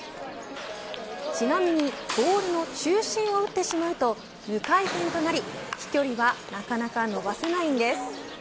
ちなみに、ボールの中心を打ってしまうと無回転となり、飛距離はなかなか伸ばせないんです。